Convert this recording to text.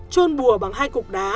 trôn bùa bằng hai cục đá